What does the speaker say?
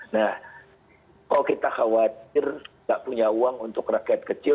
nah kalau kita khawatir nggak punya uang untuk rakyat kecil